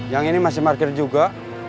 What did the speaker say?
yang ini masih parkir juga